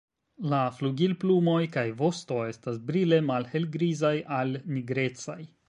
La flugilplumoj kaj vosto estas brile malhelgrizaj al nigrecaj.